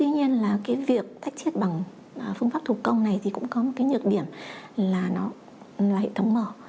nên là cái việc tách chết bằng phương pháp thủ công này thì cũng có một cái nhược điểm là nó là hệ thống mở